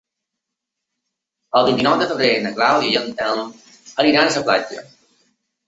El vint-i-nou de febrer na Clàudia i en Telm iran a la platja.